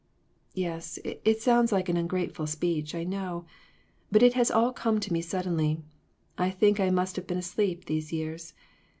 "Yes, it sounds like an ungrateful speech, I know, but it has all come to me so suddenly. I think I must have been asleep, these years.